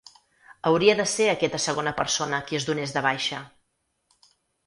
Hauria de ser aquesta segona persona qui es donés de baixa.